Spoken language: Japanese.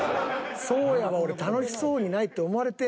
そうやわ俺楽しそうにないって思われてんねや。